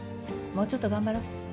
もうちょっと頑張ろう。